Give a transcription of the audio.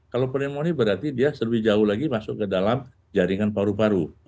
kalau pneumonia berarti dia lebih jauh lagi masuk ke dalam jaringan paru paru